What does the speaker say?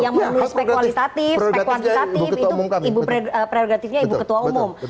spek kualitatif spek kuantitatif itu prerogatifnya ibu ketua umum